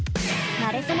なれそめ！